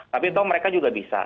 tapi toh mereka juga bisa